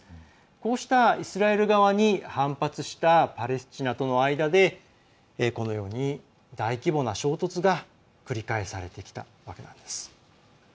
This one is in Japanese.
そうしたイスラエル側に反発したパレスチナの間でこのように大規模な衝突が繰り返されてきたわけなんです。